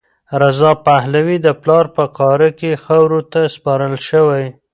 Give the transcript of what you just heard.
رضا پهلوي د پلار په قاره کې خاورو ته سپارل شوی.